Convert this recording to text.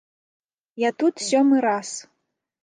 Я тут сёмы раз.